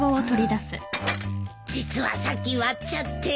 実はさっき割っちゃって。